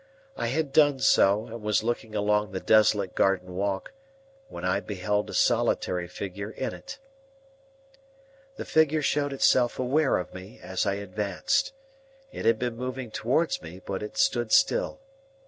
I had done so, and was looking along the desolate garden walk, when I beheld a solitary figure in it. The figure showed itself aware of me, as I advanced. It had been moving towards me, but it stood still.